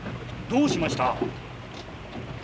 どうしました？